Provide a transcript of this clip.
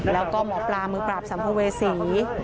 แล้วก็หมอปลามือปราบสัมภเวษี